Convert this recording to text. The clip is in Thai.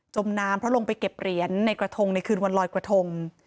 มน้ำเพราะลงไปเก็บเหรียญในกระทงในคืนวันลอยกระทง